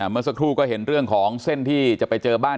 เมื่อสักครู่ก็เห็นเรื่องของเส้นที่จะไปเจอบ้าน